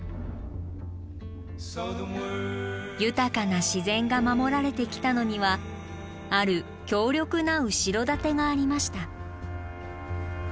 豊かな自然が守られてきたのにはある強力な後ろ盾がありました。